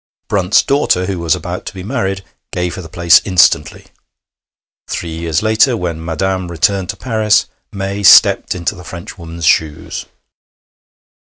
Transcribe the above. Brunt's daughter, who was about to be married, gave her the place instantly. Three years later, when 'Madame' returned to Paris, May stepped into the French woman's shoes.